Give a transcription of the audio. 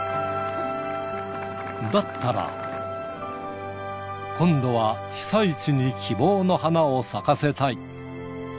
だったら、今度は被災地に希望の花を咲かせたい。